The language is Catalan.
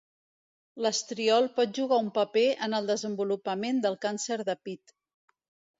L'estriol pot jugar un paper en el desenvolupament del càncer de pit.